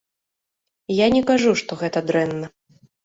Я не кажу, што гэта дрэнна.